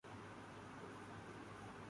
جب اردگرد دیکھنا شروع کیا اور جب پڑھنا شروع کیا